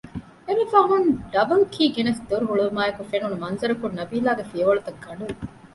އެންމެފަހުން ޑަބަލްކީ ގެނެސް ދޮރުހުޅުވުމާއެކު ފެނުނު މަންޒަރަކުން ނަބީލާގެ ފިޔަވަޅުތަށް ގަނޑުވި